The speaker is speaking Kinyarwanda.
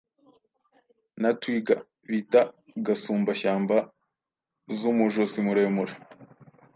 na Twiga bita Gasumbashyamba z’umujosi muremure.